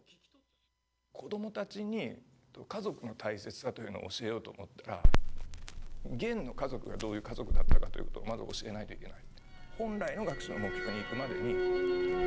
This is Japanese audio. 子供たちに家族の大切さというのを教えようと思ったらゲンの家族がどういう家族だったかというのをまず教えないといけない。